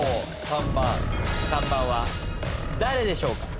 ３番は誰でしょうか？